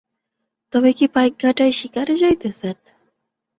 তবে কি পাইকঘাটায় শিকারে যাইতেছেন?